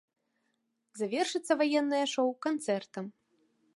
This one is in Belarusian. Завершыцца ваеннае шоу канцэртам.